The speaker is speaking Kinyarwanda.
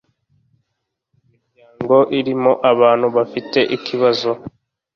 imiryango irimo abantu bafite ikibazo